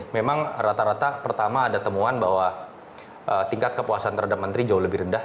memang rata rata pertama ada temuan bahwa tingkat kepuasan terhadap menteri jauh lebih rendah